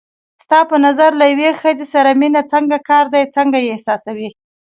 ستا په نظر له یوې ښځې سره مینه څنګه کار دی، څنګه یې احساسوې؟